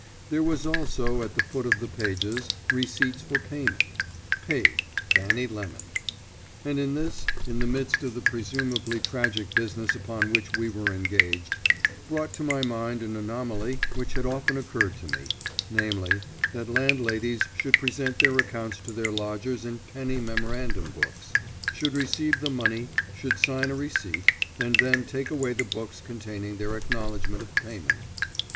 There was also, at the foot of pages, receipts for payment, "Paid, Fanny Lemon." And this, in the midst of the presumably tragic business upon which we were engaged, brought to my mind an anomaly which had often occurred to me, namely, that landladies should present their accounts to their lodgers in penny memorandum books, should receive the money, should sign a receipt, and then take away the books containing their acknowledgment of payment.